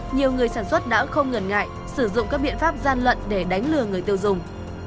nhiều người sản xuất đã không ngần ngại sử dụng các biện pháp gian lận để đánh lừa người tiêu dùng